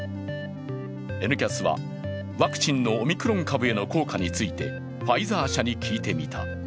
「Ｎキャス」はワクチンのオミクロン株への効果について、ファイザー社に聞いてみた。